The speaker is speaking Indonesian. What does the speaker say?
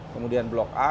kemudian blok a